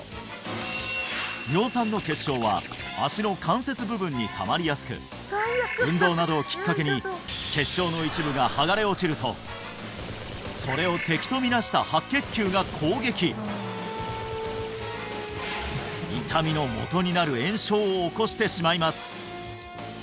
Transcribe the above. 尿酸の結晶は足の関節部分にたまりやすく運動などをきっかけに結晶の一部が剥がれ落ちるとそれを敵と見なした白血球が攻撃痛みのもとになる炎症を起こしてしまいます